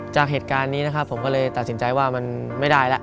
จากเหตุการณ์นี้นะครับผมก็เลยตัดสินใจว่ามันไม่ได้แล้ว